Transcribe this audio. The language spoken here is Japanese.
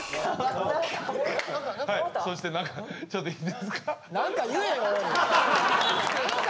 そして何かちょっといいですか。